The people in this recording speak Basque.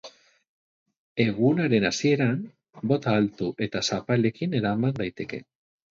Egunaren hasieran, bota altu eta zapalekin eraman daiteke.